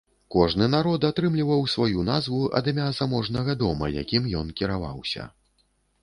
Кожны народ атрымліваў сваю назву ад імя заможнага дома, якім ен кіраваўся.